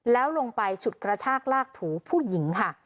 แล้วลงไปฉุดกระชากลากถูผู้หญิงค่ะ